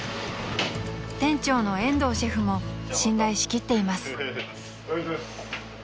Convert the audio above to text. ［店長の延藤シェフも信頼しきっています］